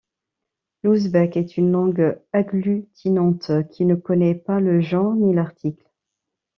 L'ouzbek est une langue agglutinante qui ne connait pas le genre ni l'article.